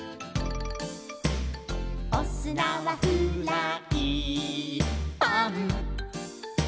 「おすなはフライパン」